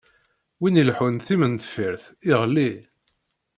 Win ileḥḥun timendeffirt, iɣelli.